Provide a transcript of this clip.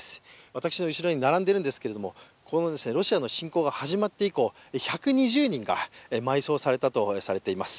私の後ろに並んでいるんですけれども、ロシアの侵攻が始まって以降１２０人が埋葬されたとされています。